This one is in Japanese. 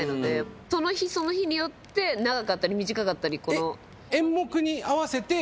その日その日によって長かったり短かったり。